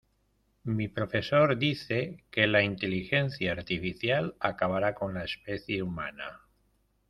Mi profesor dice que la inteligencia artificial acabará con la especie humana.